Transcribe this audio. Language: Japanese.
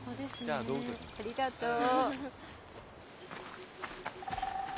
ありがとう。